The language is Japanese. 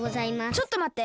ちょっとまって！